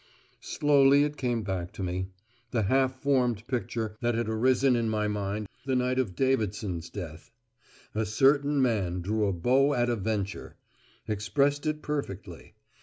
Slowly it came back to me, the half formed picture that had arisen in my mind the night of Davidson's death. "A certain man drew a bow at a venture," expressed it perfectly.